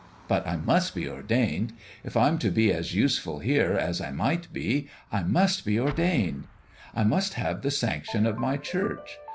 But I must be ordained. If I'm to be as useful here as I might be, I must be ordained. I must have the sanction of my Church.